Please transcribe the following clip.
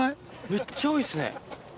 めっちゃ多いっすね。